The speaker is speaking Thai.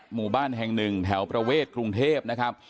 หมู่บ้านแห่งหนึ่งแถวประเวทกรุงเทพนะครับ